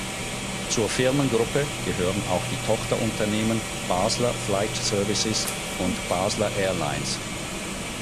Zur Firmengruppe gehören auch die Tochterunternehmen "Basler Flight Services" und "Basler Airlines".